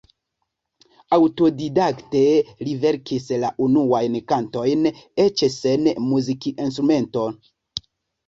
Aŭtodidakte li verkis la unuajn kantojn, eĉ sen muzikinstrumento.